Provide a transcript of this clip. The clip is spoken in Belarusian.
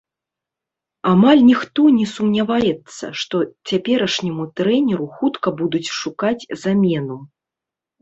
Амаль ніхто не сумняваецца, што цяперашняму трэнеру хутка будуць шукаць замену.